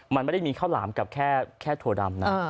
มันไม่ได้มีข้าวหลามกับแค่ถั่วดำนะ